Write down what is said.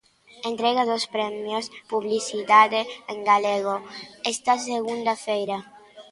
Entrega dos premios Publicidade en Galego, esta segunda feira.